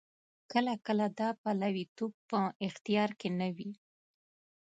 کله کله دا پلویتوب په اختیار کې نه وي.